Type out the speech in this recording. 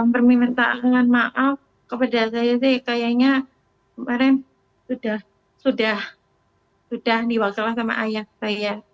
permintaan maaf kepada saya sih kayaknya kemarin sudah diwakilkan sama ayah saya